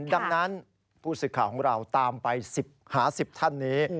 ดังนั้นผู้สื่อข่าวของเราตามไปหา๑๐ท่านนี้